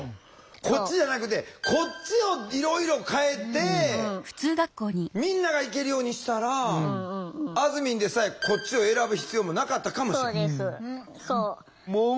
こっちじゃなくてこっちをいろいろ変えてみんなが行けるようにしたらあずみんでさえこっちを選ぶ必要もなかったかもしれへん。